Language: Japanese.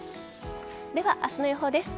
では、明日の予報です。